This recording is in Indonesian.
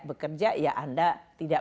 bekerja ya anda tidak